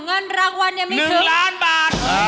เงินรางวัลเนี่ยไม่ถึง๑ล้านบาท